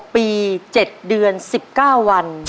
ปี๗เดือน๑๙วัน